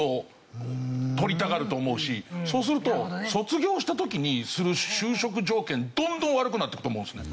要するにそうすると卒業した時にする就職条件どんどん悪くなっていくと思うんですね。